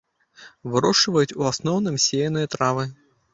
Вырошчваюць у асноўным сеяныя травы.